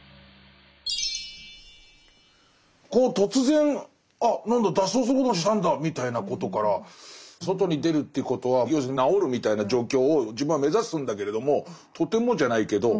突然あなんだ脱走することにしたんだみたいなことから外に出るということは要するに「治る」みたいな状況を自分は目指すんだけれどもとてもじゃないけど。